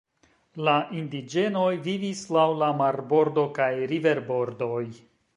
La indiĝenoj vivis laŭ la marbordo kaj riverbordoj.